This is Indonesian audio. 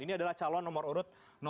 ini adalah calon nomor urut satu